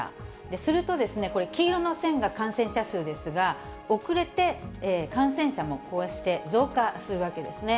すると、これ、黄色の線が感染者数ですが、遅れて感染者もこうして増加するわけですね。